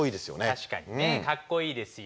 確かにねかっこいいですよ。